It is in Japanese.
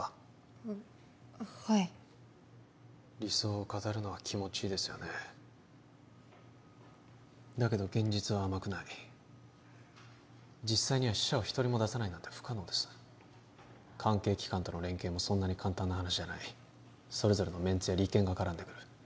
あはい理想を語るのは気持ちいいですよねだけど現実は甘くない実際には死者を一人も出さないなんて不可能です関係機関との連携もそんなに簡単な話じゃないそれぞれのメンツや利権が絡んでくる